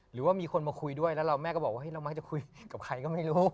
หรือว่ามีคนมาคุยด้วยแล้วเราแม่ก็บอกว่าเรามักจะคุยกับใครก็ไม่รู้